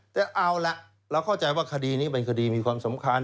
แต่เอาล่ะเราเข้าใจว่าคดีนี้เป็นคดีมีความสำคัญ